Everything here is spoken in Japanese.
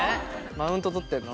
マウントとってんの。